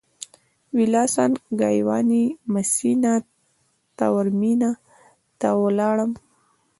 ویلاسان ګایواني مسینا تاورمینا ته ولاړم.